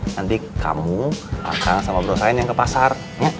nanti kamu akan sama brosain yang ke pasar